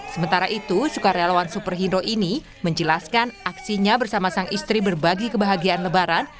sementara itu sukarelawan superhero ini menjelaskan aksinya bersama sang istri berbagi kebahagiaan lebaran